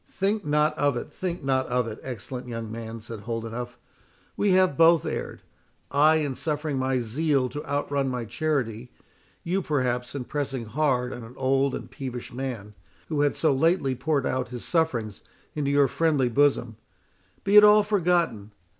"Think not of it—think not of it, excellent young man," said Holdenough; "we have both erred—I in suffering my zeal to outrun my charity, you perhaps in pressing hard on an old and peevish man, who had so lately poured out his sufferings into your friendly bosom. Be it all forgotten.